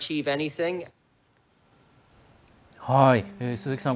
鈴木さん